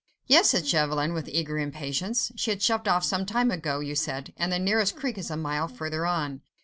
"Yes," said Chauvelin, with eager impatience, "she had shoved off some time ago, you said, and the nearest creek is a mile further on."